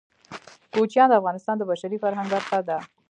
کوچیان د افغانستان د بشري فرهنګ برخه ده.